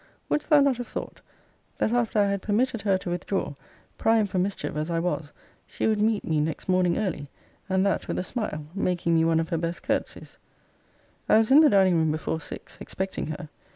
Wouldst thou not have thought, that after I had permitted her to withdraw, primed for mischief as I was, she would meet me next morning early; and that with a smile; making me one of her best courtesies? I was in the dining room before six, expecting her.